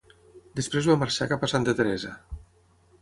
Després va marxar cap a Santa Teresa.